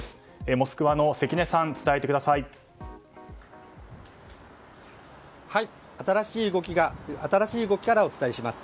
モスクワの関根さん新しい動きからお伝えします。